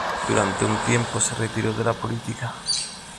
Durante un tiempo se retiró de la política.